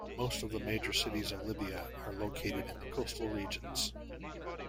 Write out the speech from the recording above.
Most of the major cities of Libya are located in the coastal regions.